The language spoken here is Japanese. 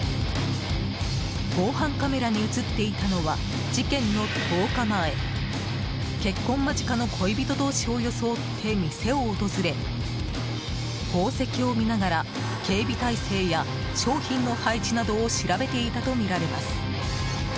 防犯カメラに映っていたのは事件の１０日前結婚間近の恋人同士を装って店を訪れ宝石を見ながら警備体制や商品の配置などを調べていたとみられます。